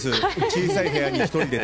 小さい部屋に２人で。